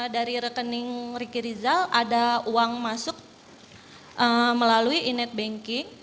dari rekening ricky rizal ada uang masuk melalui inet banking